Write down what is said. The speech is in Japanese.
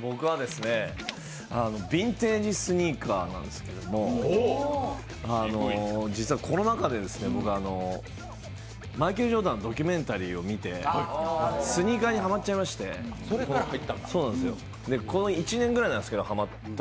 僕はヴィンテージスニーカーなんですけど、実はコロナ禍でマイケル・ジョーダンのドキュメンタリーを見てスニーカーにハマっちゃいましてこの１２年かな。